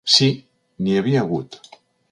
Sí, n’hi havia hagut.